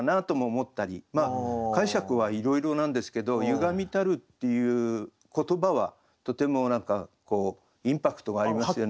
解釈はいろいろなんですけど「歪みたる」っていう言葉はとても何かインパクトがありますよね。